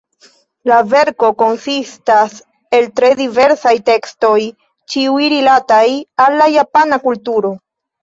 La verko konsistas el tre diversaj tekstoj, ĉiuj rilataj al la Japana kulturo.